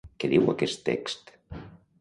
Què diu aquest text?